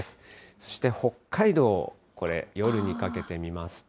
そして北海道、これ、夜にかけて見ますと。